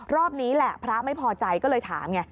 รอบนี้แหละพระไม่พอใจก็เลยถามไง